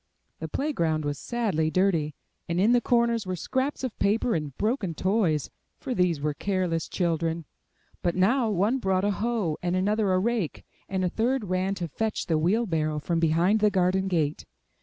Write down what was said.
The play ground was sadly dirty, and in the corners were scraps of paper and broken toys, for these were careless children. But now, one brought a hoe, and another a rake, and a third ran to fetch the wheel barrow from behind the garden gate.